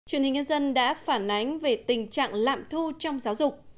truyền hình nhân dân đã phản ánh về tình trạng lạm thu trong giáo dục